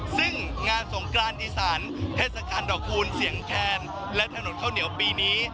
ซึ่งงานสงกรานอีสานเทศกาลดอกคูณเสียงแคนและถนนข้าวเหนียวปีนี้